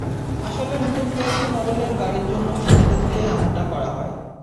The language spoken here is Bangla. আসলে নতুন কয়েকটি মডেলের গাড়ির জন্য সুবিধা দিতেই এমনটা করা হয়।